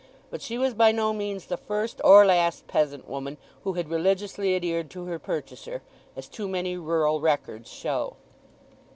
But she was by no means the first or last peasant woman who had religiously adhered to her purchaser, as too many rural records show.